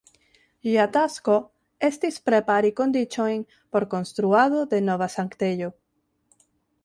Ĝia tasko estis prepari kondiĉojn por konstruado de nova sanktejo.